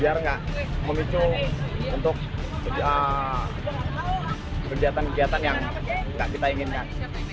biar nggak memicu untuk kegiatan kegiatan yang tidak kita inginkan